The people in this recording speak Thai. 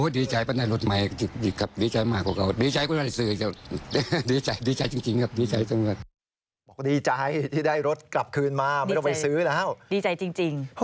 ดีใจจริง